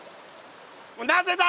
なぜだ？